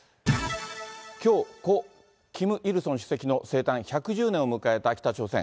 きょう、故・キム・イルソン主席の生誕１１０年を迎えた北朝鮮。